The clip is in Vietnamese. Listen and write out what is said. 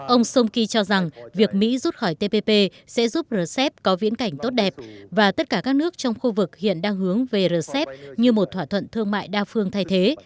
ông somki cho rằng việc mỹ rút khỏi tpp sẽ giúp rcep có viễn cảnh tốt đẹp và tất cả các nước trong khu vực hiện đang hướng về rcep như một thỏa thuận thương mại đa phương thay thế